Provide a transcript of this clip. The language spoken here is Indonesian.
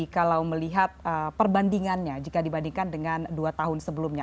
kalau melihat perbandingannya jika dibandingkan dengan dua tahun sebelumnya